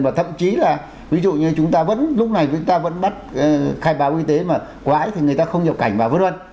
và thậm chí là ví dụ như chúng ta vẫn lúc này chúng ta vẫn bắt khai báo y tế mà quãi thì người ta không nhập cảnh và vứt vân